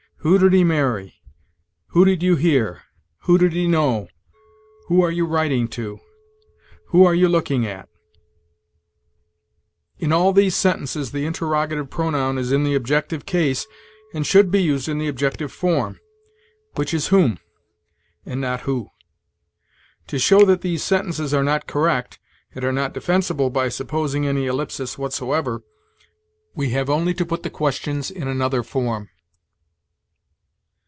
"Who did he marry?" "Who did you hear?" "Who did he know?" "Who are you writing to?" "Who are you looking at?" In all these sentences the interrogative pronoun is in the objective case, and should be used in the objective form, which is whom, and not who. To show that these sentences are not correct, and are not defensible by supposing any ellipsis whatsoever, we have only to put the questions in another form.